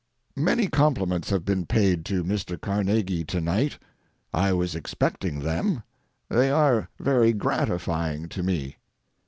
Many compliments have been paid to Mr. Carnegie to night. I was expecting them. They are very gratifying to me.